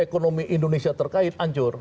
ekonomi indonesia terkait hancur